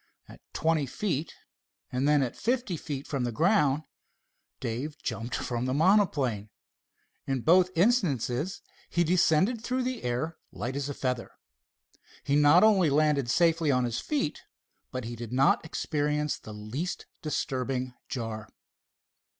At twenty feet, and then at fifty feet from the ground Dave jumped from the monoplane. In both instances he descended through the air light as a feather. He not only landed safely on his feet, but he did not experience the least disturbing jar.